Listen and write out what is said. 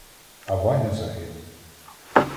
А Ваня загинув.